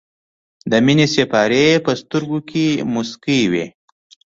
د مینې سېپارې یې په سترګو کې موسکۍ وې.